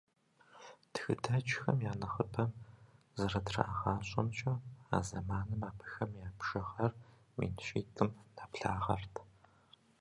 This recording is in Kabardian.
Тхыдэджхэм я нэхъыбэм зэрытрагъащӏэмкӏэ, а зэманым абыхэм я бжыгъэр мин щитӏым нэблагъэрт.